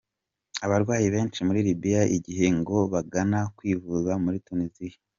Abarwayi benshi muri Libya iki gihe ngo bagana kwivuza muri Tunisia.